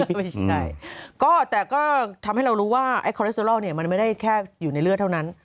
ไม่ใช่ก็แต่ก็ทำให้เรารู้ว่าไอ้คอเลสเตอรอลเนี่ยมันไม่ได้แค่อยู่ในเลือดเท่านั้น